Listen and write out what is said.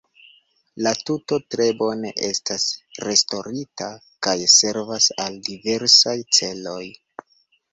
La tuto tre bone estas restaŭrita kaj servas al diversaj celoj.